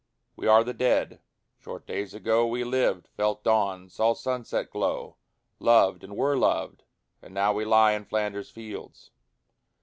We are the Dead. Short days ago We lived, felt dawn, saw sunset glow, Loved, and were loved, and now we lie In Flanders fields.